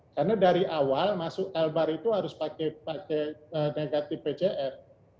karena dari awal masuk lbar itu harus pakai negatif pcr